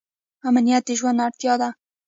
امنیت د ژوند اړتیا ده